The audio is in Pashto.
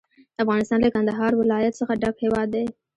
افغانستان له کندهار ولایت څخه ډک هیواد دی.